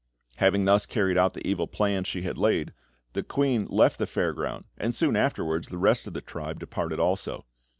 Having thus carried out the evil plan she had laid, the queen left the fair ground, and soon afterwards the rest of the tribe departed also.